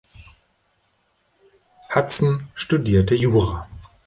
Hutson studierte Jura.